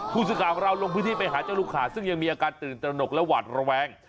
ผู้สื่อข่าวของเราลงพื้นที่ไปหาเจ้าลูกขาดซึ่งยังมีอาการตื่นตระหนกและหวาดระแวง